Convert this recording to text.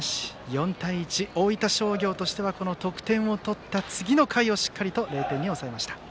４対１、大分商業としては得点を取った次の回をしっかりと０点に抑えました。